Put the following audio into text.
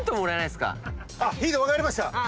ヒント分かりました。